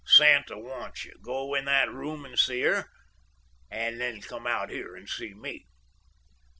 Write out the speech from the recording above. Santa wants you. Go in that room and see her. And then come out here and see me.